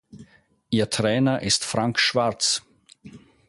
Ihr Trainer ist Frank Schwarz.